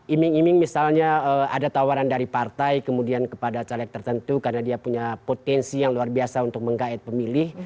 iming iming misalnya ada tawaran dari partai kemudian kepada caleg tertentu karena dia punya potensi yang luar biasa untuk menggait pemilih